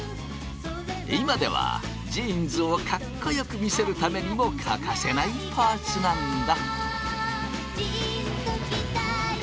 今ではジーンズをかっこよく見せるためにも欠かせないパーツなんだ。